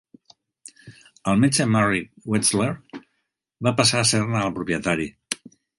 El metge Merrick Wetzler va passar a ser-ne el propietari.